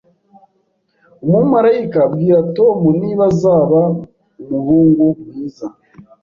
Umumarayika abwira Tom niba azaba umuhungu mwiza